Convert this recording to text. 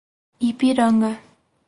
Ipiranga